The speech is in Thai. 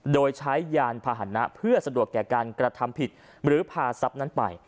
โดยใช้ยานพาหนะเพื่อสะดวกแก่การกระทำผิดหรือพาทรัพย์นั้นไป